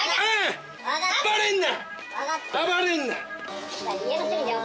暴れんな。